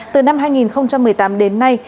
từ năm hai nghìn một mươi tám đến nay